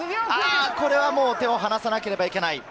これは手をはなさなければいけない。